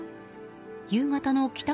夕方の帰宅